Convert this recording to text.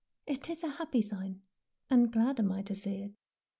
"It is a happy sign, and glad am I to see it.